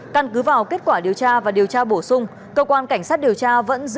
căn cứ vào kết quả điều tra và điều tra bổ sung cơ quan cảnh sát điều tra vẫn giữ